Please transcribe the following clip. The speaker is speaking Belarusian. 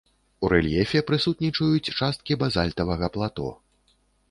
У рэльефе прысутнічаюць часткі базальтавага плато.